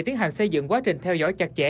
tiến hành xây dựng quá trình theo dõi chặt chẽ